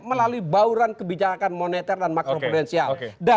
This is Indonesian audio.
melalui bauran kebijakan moneter dan makroprudensial